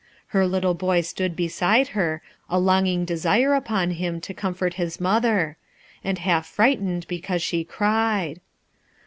Her little boy stood beside her, a longing desire upon hurt to comfort his mother ; and half frightened because die eried.